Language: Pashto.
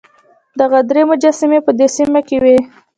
دغه درې مجسمې په دې سیمه کې وې.